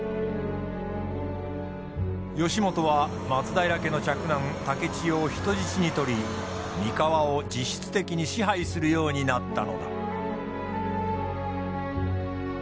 義元は松平家の嫡男竹千代を人質に取り三河を実質的に支配するようになったのだ。